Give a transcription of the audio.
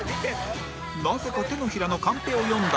なぜか手のひらのカンペを読んだ